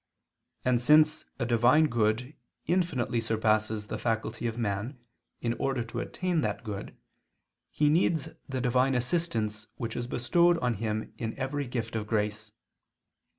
And since a divine good infinitely surpasses the faculty of man in order to attain that good, he needs the divine assistance which is bestowed on him in every gift of grace.